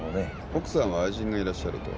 奥さんは愛人がいらっしゃると？